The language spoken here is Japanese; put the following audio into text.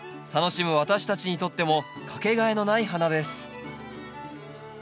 楽しむ私たちにとってもかけがえのない花です。